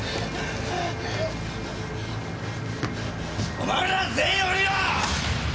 お前ら全員降りろ！